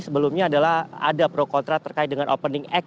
sebelumnya adalah ada prokontra terkait dengan opening act